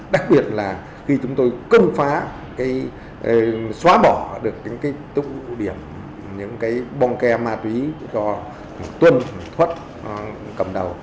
đặc biệt là khi chúng tôi cân phá xóa bỏ được những tục điểm những bong ke ma túy cho tuân thuất cầm đầu